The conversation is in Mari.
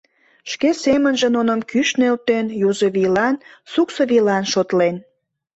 Шке семынже нуным кӱш нӧлтен, Юзо вийлан, суксо вийлан шотлен.